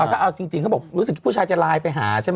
ก็เอาจริงเขาบอกรู้สึกผู้ชายจะไลน์ไปหาใช่ไหม